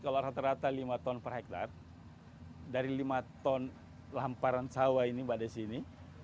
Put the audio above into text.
kalau rata rata lima ton per hektare dari lima ton lamparan sawah ini mbak desi ini